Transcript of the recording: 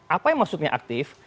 apa yang maksudnya aktif